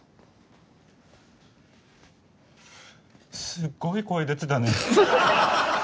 すっごい声出てたね。